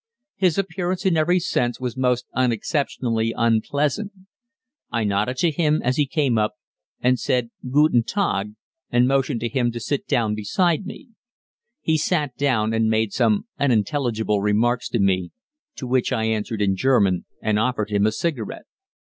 His appearance in every sense was most unexceptionally unpleasant. I nodded to him as he came up, and said Guten Tag, and motioned to him to sit down beside me. He sat down and made some unintelligible remarks to me, to which I answered in German, and offered him a cigarette.